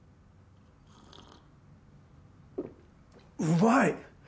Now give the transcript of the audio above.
うまい！